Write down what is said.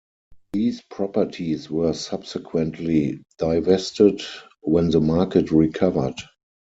These properties were subsequently divested when the market recovered.